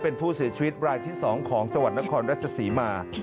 เป็นผู้เสียชีวิตรายที่๒ของจังหวัดนครราชศรีมา